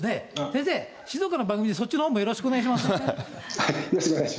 先生、静岡の番組で、そっちのほよろしくお願いします。